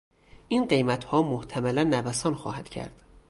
این قیمتها محتملا نوسان خواهد کرد.